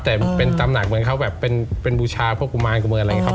แต่เป็นตำหนักเหมือนเขาแบบเป็นบูชาพวกกุมารกุมารอะไรอย่างนี้ครับ